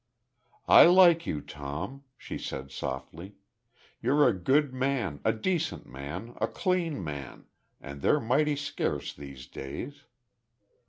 "I like you, Tom," she said, softly. "You're a good man a decent man a clean man and they're mighty scarce these days....